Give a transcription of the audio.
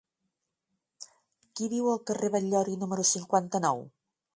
Qui viu al carrer de Batllori número cinquanta-nou?